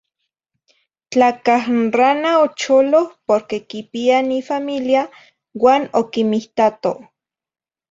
Tlacah n rana ocholoh porque quipia nifamilia, uan oquimihtato.